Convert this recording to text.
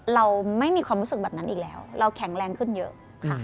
เราไม่มีความรู้สึกแบบนั้นอีกแล้วเราแข็งแรงขึ้นเยอะค่ะ